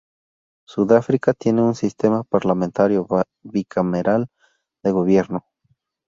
Sudáfrica tiene un sistema parlamentario bicameral de gobierno.